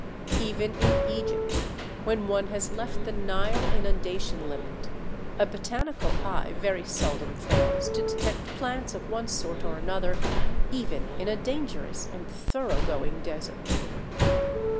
Even in Egypt, when one has left the Nile inundation limit, a botanical eye very seldom fails to detect plants of one sort or another even in a dangerous and thorough going desert.